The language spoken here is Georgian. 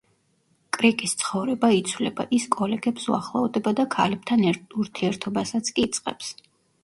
კრიკის ცხოვრება იცვლება, ის კოლეგებს უახლოვდება და ქალებთან ურთიერთობასაც კი იწყებს.